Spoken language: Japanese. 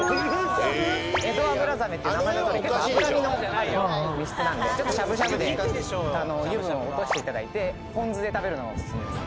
エドアブラザメって名前のとおり脂身の身質なんでしゃぶしゃぶで油分を落としていただいてポン酢で食べるのがお勧めです。